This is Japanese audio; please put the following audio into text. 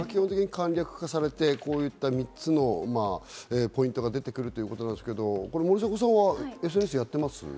簡略化されて、こういった３つのポイントが出てくるということですけど、森迫さんはＳＮＳやってます？